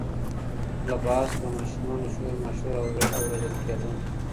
له بهر څخه د ماشومانو شورماشور اورېدل کېده.